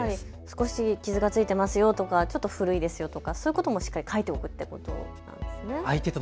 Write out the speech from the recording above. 少し傷がついてますよとかちょっと古いですよとかそういうこともしっかり書いておくってことなんですね。